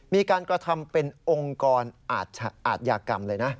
มีการกระทำเป็นองค์กรอาทยากรรมเลยนะ